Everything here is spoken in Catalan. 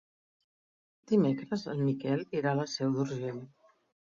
Dimecres en Miquel irà a la Seu d'Urgell.